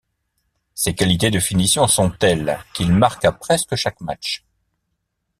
Ses qualités de finition sont telles qu'il marque à presque chaque match.